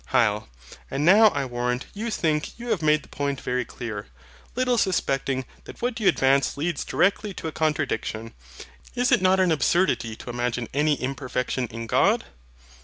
HYL. And now I warrant you think you have made the point very clear, little suspecting that what you advance leads directly to a contradiction. Is it not an absurdity to imagine any imperfection in God?